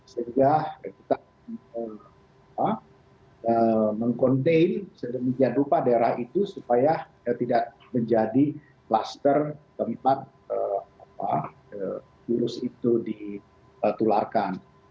sehingga kita mengkontain sedemikian rupa daerah itu supaya tidak menjadi kluster tempat virus itu ditularkan